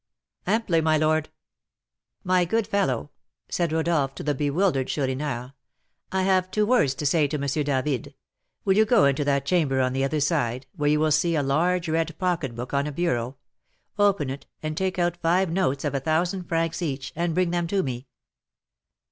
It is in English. "Amply, my lord." "My good fellow," said Rodolph to the bewildered Chourineur, "I have two words to say to M. David; will you go into that chamber on the other side, where you will see a large red pocketbook on a bureau; open it and take out five notes of a thousand francs each, and bring them to me."